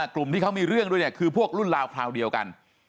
กลุ่มที่เขามีเรื่องด้วยเนี่ยคือพวกรุ่นราวคราวเดียวกัน